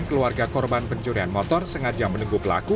keluarga korban pencurian motor sengaja menunggu pelaku